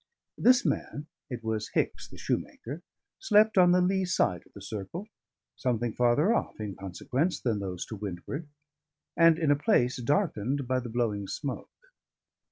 This man (it was Hicks the shoemaker) slept on the lee side of the circle, something farther off in consequence than those to windward, and in a place darkened by the blowing smoke.